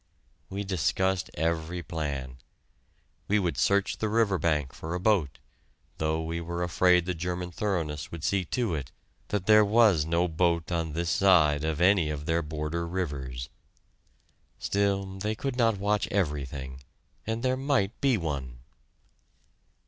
We discussed every plan. We would search the riverbank for a boat, though we were afraid the German thoroughness would see to it that there was no boat on this side of any of their border rivers. Still, they could not watch everything, and there might be one.